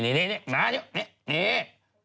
โอ้โฮฉะนั้นวรรไหวเมือง